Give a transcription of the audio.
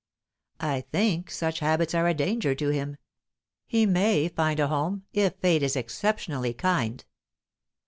"I think such habits are a danger to him. He may find a home, if fate is exceptionally kind."